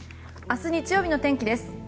明日日曜日の天気です。